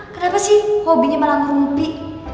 kenapa sih hobinya malah rumpi